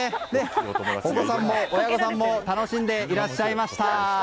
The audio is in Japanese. お子さんも親御さんも楽しんでいらっしゃいました。